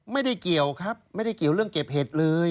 ไม่ได้เกี่ยวครับไม่ได้เกี่ยวเรื่องเก็บเห็ดเลย